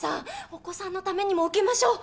お子さんのためにも受けましょう。